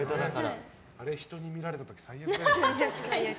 あれ、人に見られた時最悪だよな。